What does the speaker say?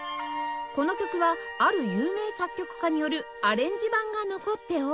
この曲はある有名作曲家によるアレンジ版が残っており